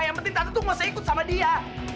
yang penting tante tuh nggak usah ikut sama dia